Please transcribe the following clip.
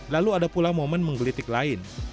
lalu ada pula momen menggelitik lain